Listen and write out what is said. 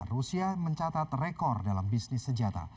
rusia mencatat rekor dalam bisnis senjata